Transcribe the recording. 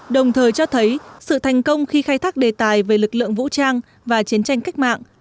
đồng thời cho thấy sự thành công khi khai thác đề tài về lực lượng vũ trang và chiến tranh cách mạng